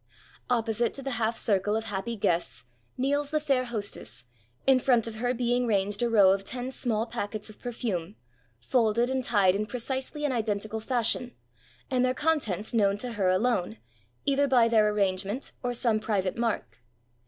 Opposite to the half circle of happy guests kneels the fair hostess, in front of her being ranged a row of ten small packets of perfume, folded and tied in precisely an identical fashion, and their contents known to her alone, either by their arrangement or some private mark.